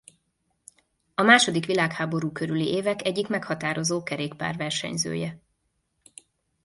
A második világháború körüli évek egyik meghatározó kerékpárversenyzője.